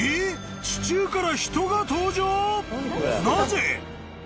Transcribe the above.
［なぜ？］